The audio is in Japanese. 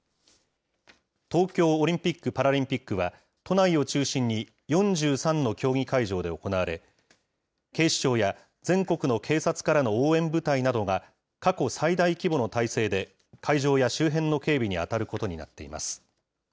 東京オリンピック・パラリンピックは、都内を中心に４３の競技会場で行われ、警視庁や全国の警察からの応援部隊などが、過去最大規模の態勢で、会場や周辺の警備に当たることになっています。